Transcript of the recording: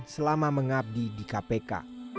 selama mengabdi di kpk